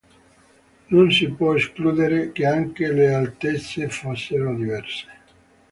Non si può escludere che anche le altezze fossero diverse.